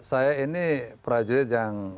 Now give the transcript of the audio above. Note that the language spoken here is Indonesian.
saya ini prajurit yang tiga tahun